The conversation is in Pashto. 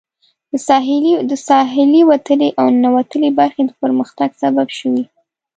د ساحلي وتلې او ننوتلې برخې د پرمختګ سبب شوي.